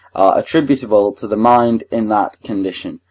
are attributable to the mind in that condition.